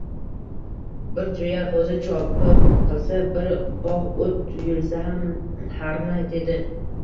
Bir joʼyak gʼoʼza chopiq qilsa, bir bogʼ oʼt yulsa ham harna, dedi.